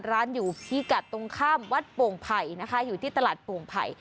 ร้านอยู่พิกัดตรงข้ามวัดโป่งไผ่นะคะอยู่ที่ตลาดโป่งไผ่